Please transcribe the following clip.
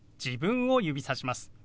自分を指さします。